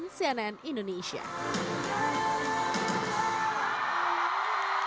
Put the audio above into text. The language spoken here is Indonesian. tapi album itu sekarang